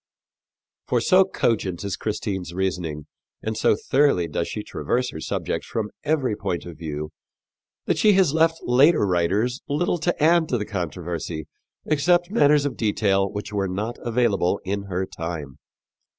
For so cogent is Christine's reasoning and so thoroughly does she traverse her subject from every point of view that she has left later writers little to add to the controversy except matters of detail which were not available in her time.